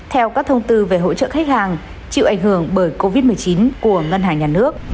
theo các thông tư về hỗ trợ khách hàng chịu ảnh hưởng bởi covid một mươi chín của ngân hàng nhà nước